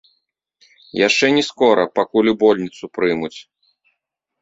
Яшчэ не скора, пакуль у больніцу прымуць.